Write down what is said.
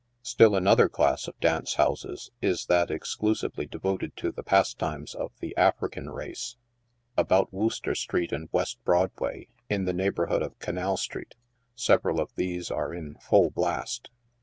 Still another class of dance houses is that exclusively devoted to the pastimes of the African race. About Wooster street and West Broadway, in the neighborhood of Canal street, several of these are in " full blast."